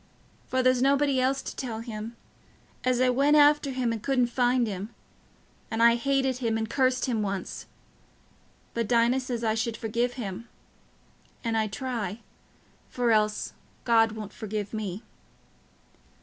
for there's nobody else to tell him... as I went after him and couldn't find him... and I hated him and cursed him once... but Dinah says I should forgive him... and I try... for else God won't forgive me."